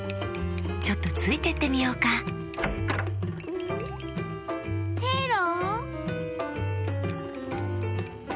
ちょっとついてってみようかペロ？